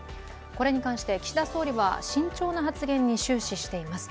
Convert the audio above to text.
これに関して、岸田総理は慎重な発言に終始しています。